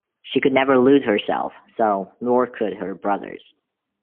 She could never lose herself so, nor could her brothers.